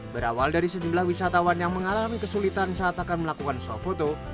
berawal dari sejumlah wisatawan yang mengalami kesulitan saat akan melakukan suap foto